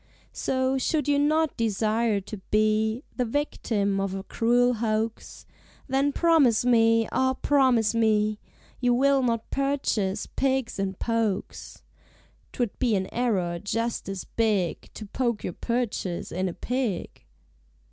So, should you not desire to be The victim of a cruel hoax, Then promise me, ah! promise me, You will not purchase pigs in pokes! ('Twould be an error just as big To poke your purchase in a pig.)